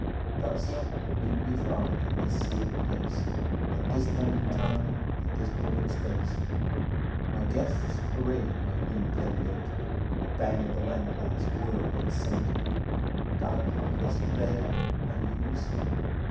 Thus meet we five, in this still place, At this point of time, at this point in space. My guests parade my new penned ink, Or bang at the lamp glass, whirl, and sink. 'God's humblest, they!' I muse.